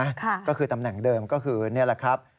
ค่ะก็คือตำแหน่งเดิมก็คือนี่แหละครับ